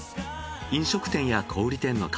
飲食店や小売店の数